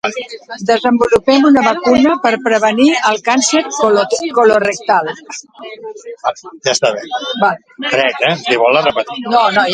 Desenvolupen una vacuna per prevenir el càncer colorectal.